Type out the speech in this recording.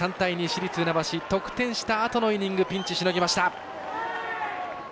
市立船橋得点したあとのイニングピンチ、しのぎました。